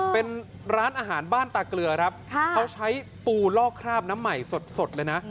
เป็นร้านอาหารบ้านตาเกลือครับเขาใช้ปูลอกคราบน้ำใหม่สดเลยนะ